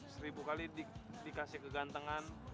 seribu kali dikasih kegantengan